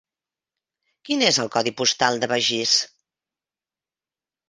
Quin és el codi postal de Begís?